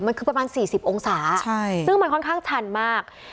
มันคือประมาณ๔๐องศาซึ่งมันค่อนข้างชันมาก